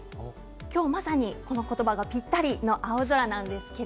今日は、まさにこの言葉がぴったりの青空です。